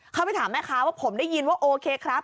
เขาไปถามแม่ค้าว่าผมได้ยินว่าโอเคครับ